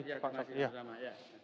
iya terima kasih selama lama